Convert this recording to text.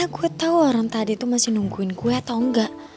gue tau orang tadi tuh masih nungguin gue atau enggak